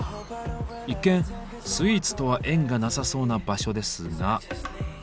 一見スイーツとは縁がなさそうな場所ですが。